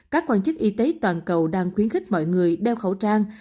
các quan chức y tế toàn cầu đang khuyến khích mọi người đeo khẩu trang